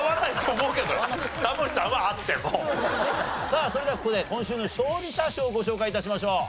さあそれではここで今週の勝利者賞をご紹介致しましょう。